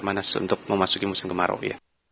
panas untuk memasuki musim kemarau ya